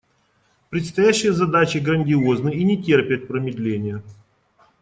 Предстоящие задачи грандиозны и не терпят промедления.